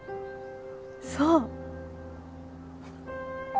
そう！